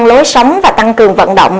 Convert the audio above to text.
lối sống và tăng cường vận động